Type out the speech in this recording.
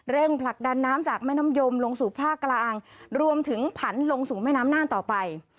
ผลักดันน้ำจากแม่น้ำยมลงสู่ภาคกลางรวมถึงผันลงสู่แม่น้ำน่านต่อไป